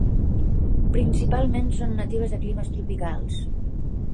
Principalment són natives de climes tropicals.